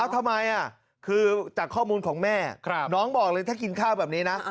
ทำไมคือจากข้อมูลของแม่น้องบอกเลยถ้ากินข้าวแบบนี้นะ